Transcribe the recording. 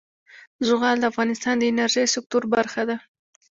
زغال د افغانستان د انرژۍ سکتور برخه ده.